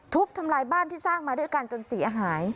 ทำลายบ้านที่สร้างมาด้วยกันจนเสียหาย